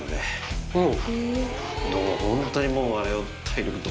ホントにもう。